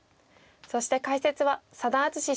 そして解説は佐田篤史七段です。